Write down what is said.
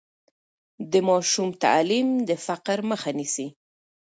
د ماشوم تعلیم د فقر مخه نیسي.